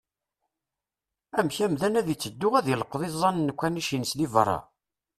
Amek amdan ad iteddu ad ileqqeḍ iẓẓan n ukanic-is di beṛṛa?